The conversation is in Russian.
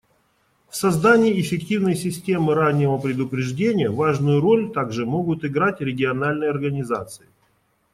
В создании эффективной системы раннего предупреждения важную роль также могут играть региональные организации.